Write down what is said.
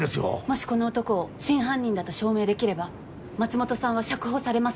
もしこの男を真犯人だと証明できれば松本さんは釈放されますか？